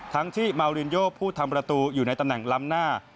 ทั้งที่มาวรินโยผู้ทำประตูอยู่ในตำแหน่งล้ำหน้า